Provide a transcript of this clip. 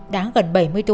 đáng gần bảy mươi năm